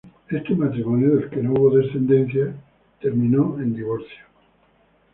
Este matrimonio, del que no hubo descendencia, terminó en divorcio.